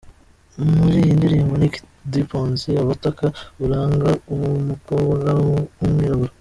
Muri iyi ndirimbo Nick Dimpoz aba ataka uburanga bw’umukobwa w’umwirabura.